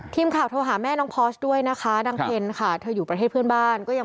ทีมขาวโทรหาม่าน้องพอ๋อจด้วยนะคะที่อยู่ประเทศเพื่อนบ้านก็ยัง